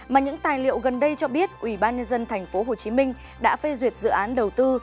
mà những tài liệu gần đây cho biết ubnd tp hcm đã phê duyệt dự án đầu tư